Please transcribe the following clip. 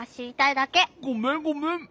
ごめんごめん。